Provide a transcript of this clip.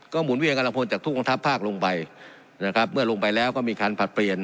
หมุนเวียนกำลังพลจากทุกกองทัพภาคลงไปนะครับเมื่อลงไปแล้วก็มีการผลัดเปลี่ยน